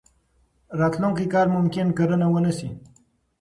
راتلونکی کال ممکن کرنه ونه شي.